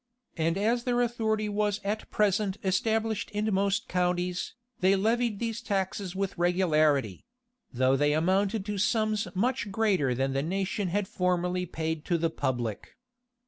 [*] And as their authority was at present established in most counties, they levied these taxes with regularity; though they amounted to sums much greater than the nation had formerly paid to the public.